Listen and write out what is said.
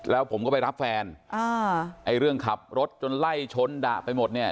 แล้วผมก็ไปรับแฟนอ่าไอ้เรื่องขับรถจนไล่ชนดะไปหมดเนี่ย